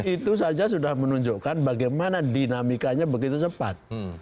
itu saja sudah menunjukkan bagaimana dinamikanya begitu cepat